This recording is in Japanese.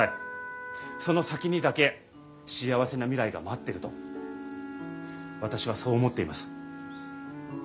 その先にだけ幸せな未来が待ってると私はそう思っています。